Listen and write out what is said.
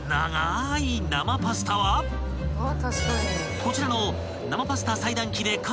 ［こちらの］